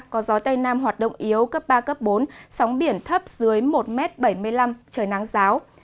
có gió tây nam hoạt động yếu cấp ba cấp bốn sóng biển thấp dưới một bảy mươi năm trời nắng giáo